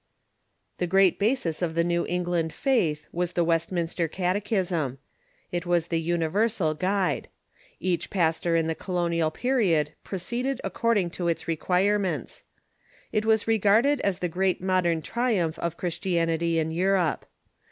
The great basis of the New England faith was the Westminster Catechism. It was the universal guide. Each pastor in the colonial period jDro ceeded according to its requirements. It was regarded as the great modern triumph of Christianity in Europe.